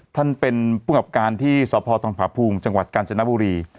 ท่านเป็นภูมิกับการที่สพทองผาภูมิจังหวัดกาญจนบุรี